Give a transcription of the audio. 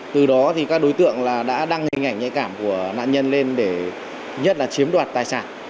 từ đó thì các đối tượng đã đăng hình ảnh nhạy cảm của nạn nhân lên để nhất là chiếm đoạt tài sản